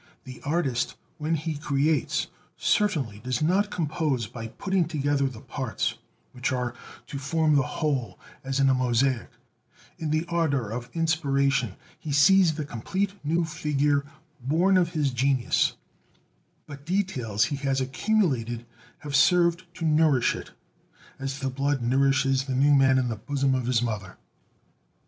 The artist, when he creates certainly does not compose by putting together the parts which are to form the whole as in a mosaic; in the ardor of inspiration he sees the complete new figure, born of his genius; but details he has accumulated have served to nourish it, as the blood nourishes the new man in the bosom of his mother.